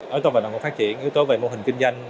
yếu tố về động vật phát triển yếu tố về mô hình kinh doanh